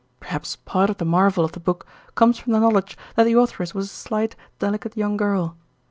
Perhaps part of the marvel of the book comes from the knowledge that the authoress was a slight, delicate young girl.